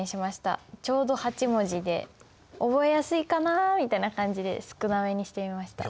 ちょうど８文字で覚えやすいかなみたいな感じで少なめにしてみました。